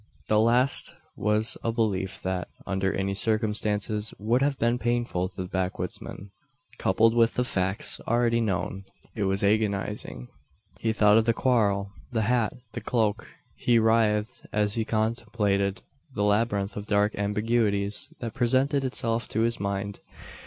The last was a belief that, under any circumstances, would have been painful to the backwoodsman. Coupled with the facts already known, it was agonising. He thought of the quarrel the hat the cloak. He writhed as he contemplated the labyrinth of dark ambiguities that presented itself to his mind.